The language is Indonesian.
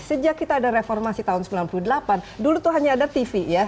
sejak kita ada reformasi tahun sembilan puluh delapan dulu itu hanya ada tv ya